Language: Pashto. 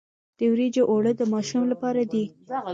د وریجو اوړه د ماشوم لپاره دي.